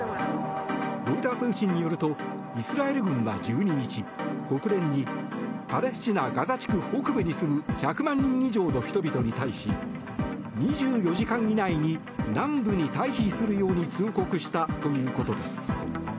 ロイター通信によるとイスラエル軍は１２日国連にパレスチナ・ガザ地区北部に住む１００万人以上の人々に対し２４時間以内に南部に退避するように通告したということです。